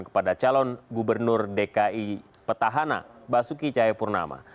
kepada calon gubernur dki petahana basuki cahayapurnama